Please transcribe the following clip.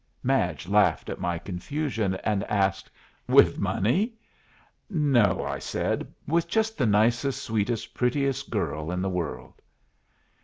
Madge laughed at my confusion, and asked, "With money?" "No," I said. "With just the nicest, sweetest, prettiest girl in the world."